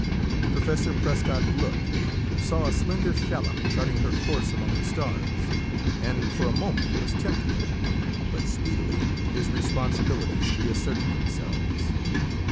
Professor Prescott looked, saw a slender shallop charting her course among the stars, and for a moment was tempted. But speedily his responsibilities reasserted themselves.